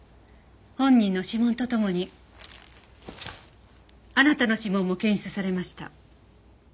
本人の指紋と共にあなたの指紋も検出されました。